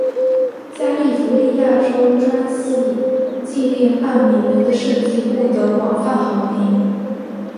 加利福尼亚州钻禧纪念半美元的设计获得广泛好评。